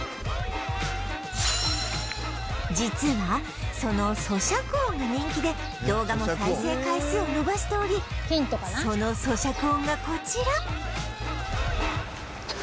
実はその咀嚼音が人気で動画も再生回数を伸ばしておりその咀嚼音がこちら